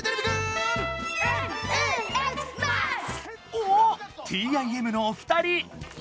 おおっＴＩＭのお二人！